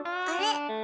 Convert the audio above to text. あれ？